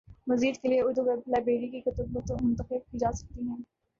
مزید کے لیے اردو ویب لائبریری کی کتب منتخب کی جا سکتی ہیں